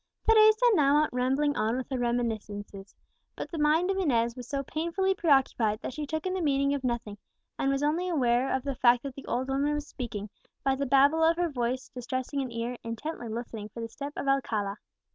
Teresa now went rambling on with her reminiscences; but the mind of Inez was so painfully preoccupied, that she took in the meaning of nothing, and was only aware of the fact that the old woman was speaking, by the babble of her voice distressing an ear intently listening for the step of Alcala.